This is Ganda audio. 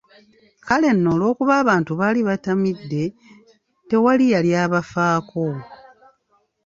Kale nno, olw'okuba abantu baali batamidde tewali yali abafaako.